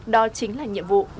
đó chính là nhiệm vụ